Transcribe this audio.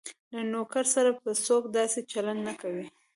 له نوکر سره به څوک داسې چلند نه کوي.